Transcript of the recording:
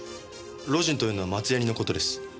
ロージンというのは松ヤニの事です。